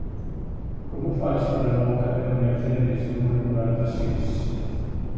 Com ho faig per anar al carrer de Mercedes número quaranta-sis?